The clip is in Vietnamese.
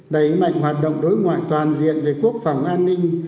đẩy mạnh hoạt động đối ngoại toàn diện về quốc phòng an ninh